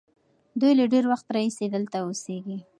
دوی له ډېر وخت راهیسې دلته اوسېږي.